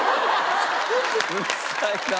うるさいな。